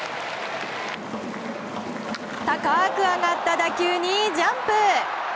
高く上がった打球にジャンプ！